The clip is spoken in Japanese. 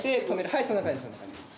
はいそんな感じそんな感じです。